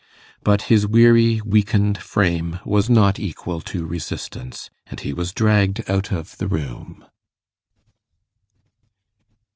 But his weary weakened frame was not equal to resistance, and he was dragged out of the room.